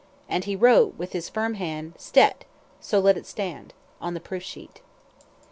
And he wrote with his firm hand "Stet! so let it stand!" on the proof sheet.